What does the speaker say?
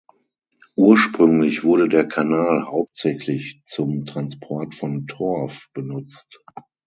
Ursprünglich wurde der Kanal hauptsächlich zum Transport von Torf benutzt.